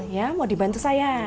ya mau dibantu saya